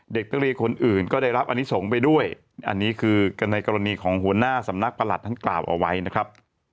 เด็กนักเรียนคนอื่นก็ได้รับอนิสงฆ์ไปด้วยอันนี้คือในกรณีของหัวหน้าสำนักประหลัดท่านกล่าวเอาไว้นะครับ